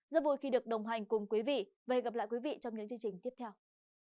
rất vui khi được đồng hành cùng quý vị và hẹn gặp lại quý vị trong những chương trình tiếp theo